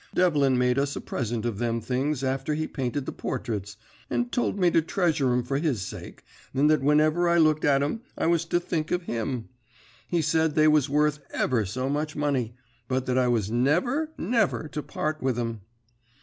Devlin made us a present of them things after he'd painted the portraits, and told me to treasure 'em for his sake, and that whenever I looked at 'em I was to think of him. He said they was worth ever so much money, but that I was never, never to part with 'em.